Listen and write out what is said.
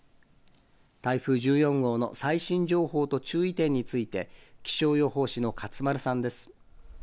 台風１４号の最新情報と注意点について気象予報士の勝丸さんです。